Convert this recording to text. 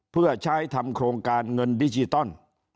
เพื่อใช้ทำโครงการเงินดิจิตอล